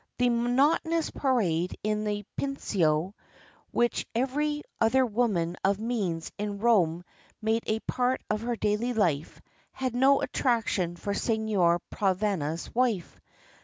That monotonous parade in the Pincio, which every other woman of means in Rome made a part of her daily life, had no attraction for Signor Provana's widow.